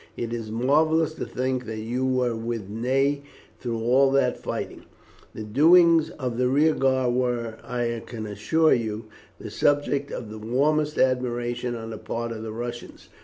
It is marvellous to think that you were with Ney through all that fighting. The doings of the rear guard were, I can assure you, the subject of the warmest admiration on the part of the Russians.